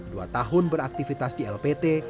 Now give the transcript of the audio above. dua tahun beraktivitas di lpt